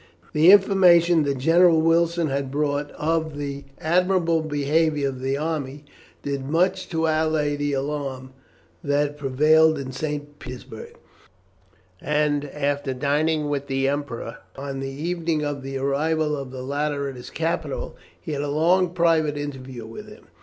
The information that General Wilson had brought of the admirable behaviour of the army did much to allay the alarm that prevailed in St. Petersburg; and, after dining with the Emperor on the evening of the arrival of the latter at his capital, he had a long private interview with him.